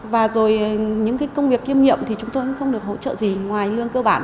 và rồi những công việc kiêm nhiệm thì chúng tôi cũng không được hỗ trợ gì ngoài lương cơ bản